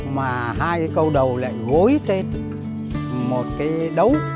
mà hai cái câu đầu lại gối trên một cái đấu